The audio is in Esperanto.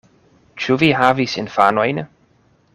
Ĉu vi havis infanojn?